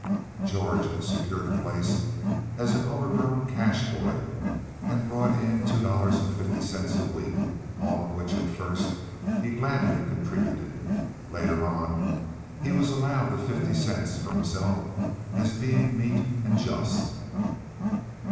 George secured a place as an overgrown cash boy, and brought in two dollars and fifty cents a week, all of which, at first, he gladly contributed. Later on he was allowed the fifty cents for himself as being meet and just.